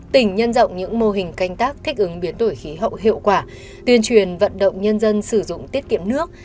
tỉnh nhân rộng những mô hình canh tác thích ứng biến đổi khí hậu hiệu quả tuyên truyền vận động nhân dân sử dụng tiết kiệm nước